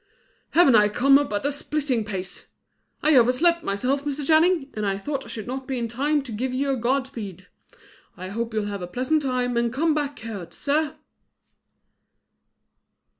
"Haven't I come up at a splitting pace! I overslept myself, Mr. Channing, and I thought I should not be in time to give you a God speed. I hope you'll have a pleasant time, and come back cured, sir!"